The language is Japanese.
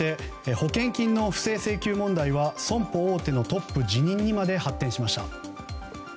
保険金の不正請求問題は損保大手のトップ辞任に発展しました。